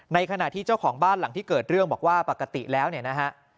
ในขณะที่เจ้าของบ้านหลังที่เกิดเรื่องบอกว่าปกติแล้วเนี่ยนะฮะ